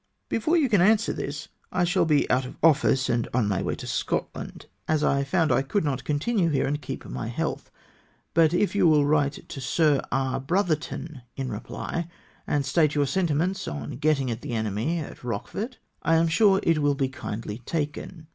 " Before you can answer this I shall be out of office, and on my way to Scotland, as I found I could not continue HOPES EXCITED, 339 here and keep my health. But if you will write to Sir E. Brotherton in reply, and state your sentiments on the getting at the enemy at Eochefort, I am sure it will be kindly taken.